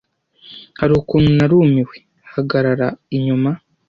Hari ukuntu narumiwe . Hagarara inyuma!